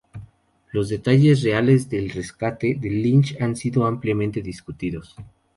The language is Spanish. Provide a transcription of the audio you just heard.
Los detalles reales del rescate de Lynch han sido ampliamente discutidos.